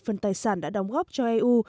phần tài sản đã đóng góp cho eu